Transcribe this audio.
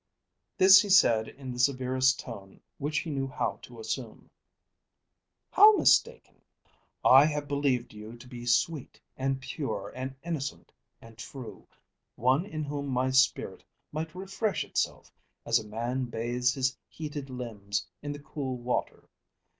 This he said in the severest tone which he knew how to assume. "How mistaken?" "I have believed you to be sweet, and pure, and innocent, and true; one in whom my spirit might refresh itself as a man bathes his heated limbs in the cool water.